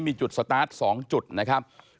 มีจุดสตาร์ท๒จุดนะครับ